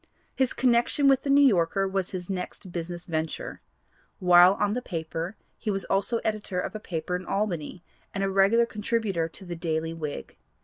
His connection with the New Yorker was his next business venture. While on this paper he was also editor of a paper in Albany, and a regular contributor to the Daily Whig.